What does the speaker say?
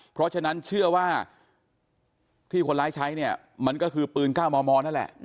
เพราะฉะนั้นเชื่อว่าที่คนร้ายใช้เนี่ยมันก็คือปืน๙มมนั่นแหละ